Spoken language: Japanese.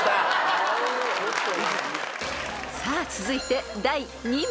［さあ続いて第２問］